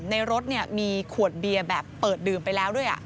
ในรถมีขวดเบียร์แบบเปิดดื่มไปแล้วด้วย